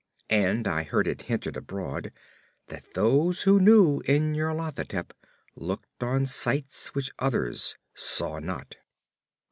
And I heard it hinted abroad that those who knew Nyarlathotep looked on sights which others saw not.